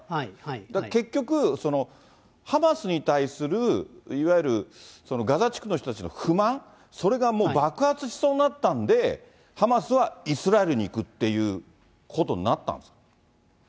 結局、ハマスに対するいわゆるガザ地区の人たちの不満、それがもう爆発しそうになったんで、ハマスはイスラエルに行くっていうことになったんですか。